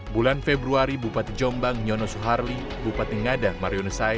bulan februari bupati jombang nyono suharli bupati ngada marionesai